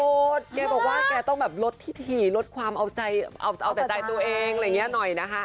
โสดเนี่ยบอกว่าแกต้องแบบลดที่ถี่ลดความเอาใจตัวเองอะไรอย่างเงี้ยหน่อยนะคะ